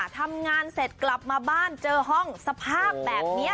ทำงานเสร็จกลับมาบ้านเจอห้องสภาพแบบนี้